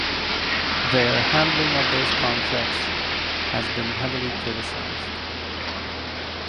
Their handling of those contracts has been heavily criticized.